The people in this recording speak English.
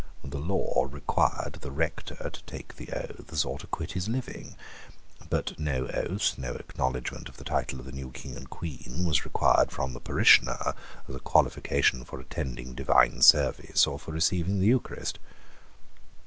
The law required the rector to take the oaths, or to quit his living: but no oath, no acknowledgment of the title of the new King and Queen, was required from the parishioner as a qualification for attending divine service, or for receiving the Eucharist.